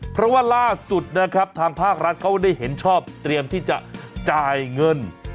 เพราะว่าล่าสุดนะครับทางภาครัฐเขาได้เห็นชอบเตรียมที่จะจ่ายเงิน